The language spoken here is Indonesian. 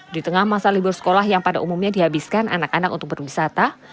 di tengah masa libur sekolah yang pada umumnya dihabiskan anak anak untuk berwisata